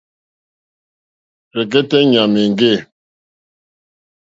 Rzɛ̀kɛ́tɛ́ ɲàmà èŋɡê.